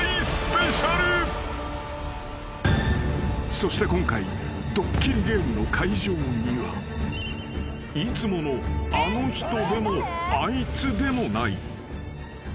［そして今回ドッキリゲームの会場には］［いつものあの人でもあいつでもない］